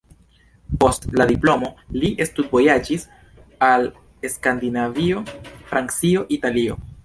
Post la diplomo li studvojaĝis al Skandinavio, Francio, Italio.